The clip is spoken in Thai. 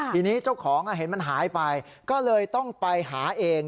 ทีนี้เจ้าของเห็นมันหายไปก็เลยต้องไปหาเอง